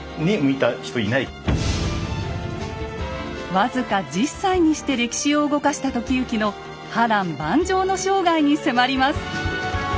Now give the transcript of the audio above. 僅か１０歳にして歴史を動かした時行の波乱万丈の生涯に迫ります。